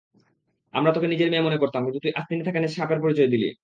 আমরা তোকে নিজের মেয়ে মনে করতাম কিন্তু তুই আস্তিনে থাকা সাপের পরিচয় দিলি।